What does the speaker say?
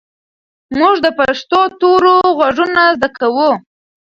موږ د پښتو تورو غږونه زده کوو.